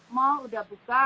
mall sudah buka